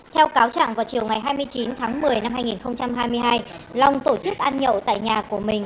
theo cáo chẳng vào chiều ngày hai mươi chín tháng một mươi năm hai nghìn hai mươi hai long tổ chức ăn nhậu tại nhà của mình